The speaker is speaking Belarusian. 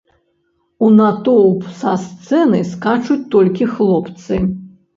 У натоўп са сцэны скачуць толькі хлопцы.